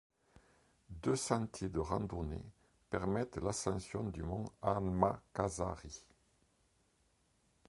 Deux sentiers de randonnée permettent l'ascension du mont Amakazari.